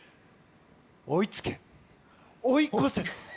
追いつけ、追い越せと。